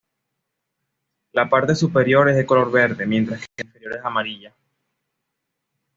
La parte superior es de color verde, mientras que la inferior es amarilla.